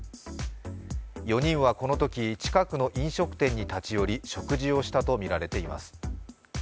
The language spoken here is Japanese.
４人はこのとき近くの飲食店に立ち寄り食事をしたとみられています。